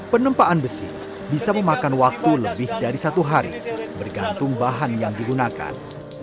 penempaan besi bisa memakan waktu lebih dari satu hari bergantung bahan yang digunakan